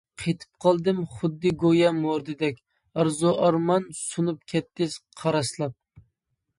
قېتىپ قالدىم خۇددى گويا مۇردىدەك، ئارزۇ-ئارمان سۇنۇپ كەتتى قاراسلاپ.